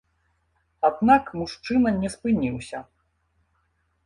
Аднак мужчына не спыніўся.